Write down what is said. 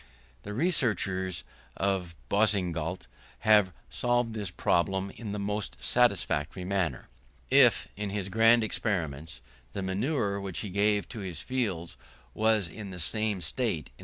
The researches of Boussingault have solved this problem in the most satisfactory manner. If, in his grand experiments, the manure which he gave to his fields was in the same state, i.e.